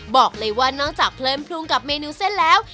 บอกเลยว่านอกจากเพลินพรุงกับเมนูเส้นแล้ว